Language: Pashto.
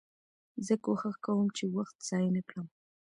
زه کوښښ کوم، چي وخت ضایع نه کړم.